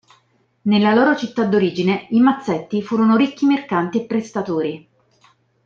Nella loro città d'origine i Mazzetti furono ricchi mercanti e prestatori.